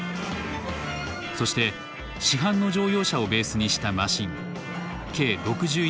そして市販の乗用車をベースにしたマシン計６１台が集まった。